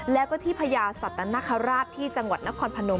แล้วก็ที่พญาสัตนคราชที่จังหวัดนครพนม